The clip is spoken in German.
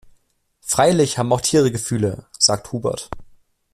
Freilich haben auch Tiere Gefühle, sagt Hubert.